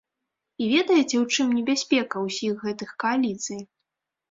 І ведаеце, у чым небяспека ўсіх гэтых кааліцый?